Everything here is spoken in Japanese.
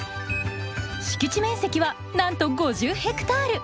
敷地面積はなんと５０ヘクタール。